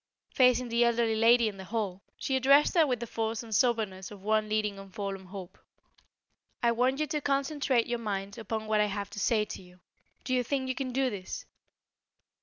Facing the elderly lady in the hall, she addressed her with the force and soberness of one leading a forlorn hope: "I want you to concentrate your mind upon what I have to say to you. Do you think you can do this?"